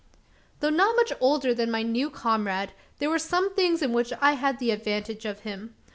Though not much older than my new comrade, there were some things in which I had the advantage of him.